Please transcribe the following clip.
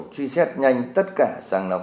truy xét nhanh tất cả sàng lọc